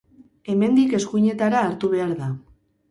Hemendik, eskuinetara hartu behar da.